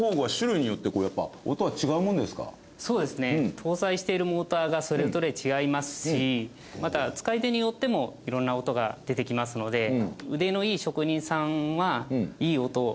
搭載しているモーターがそれぞれ違いますしまた使い手によっても色んな音が出てきますので腕のいい職人さんはいい音を奏でます。